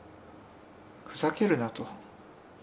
ふざけるなと。